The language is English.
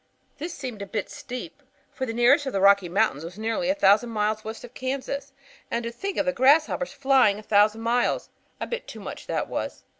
"This seemed a bit steep, for the nearest of the Rocky Mountains are nearly a thousand miles west of Kansas. And to think of grasshoppers flying a thousand miles! A bit too much, that was.